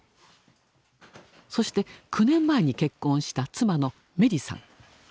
そして９年前に結婚した妻の明理さん。